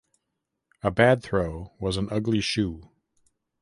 A bad throw was an "Ugly Shoe".